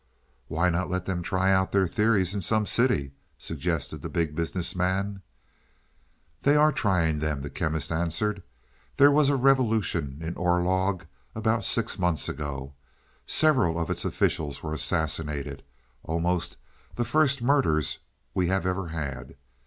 "Why not let them try out their theories in some city?" suggested the Big Business Man. "They are trying them," the Chemist answered. "There was a revolution in Orlog about six months ago. Several of its officials were assassinated almost the first murders we have ever had.